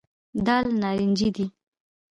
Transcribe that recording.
دال نارنجي دي.